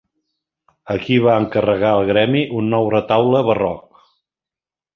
A qui va encarregar el gremi un nou retaule barroc?